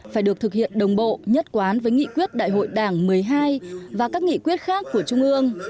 phải được thực hiện đồng bộ nhất quán với nghị quyết đại hội đảng một mươi hai và các nghị quyết khác của trung ương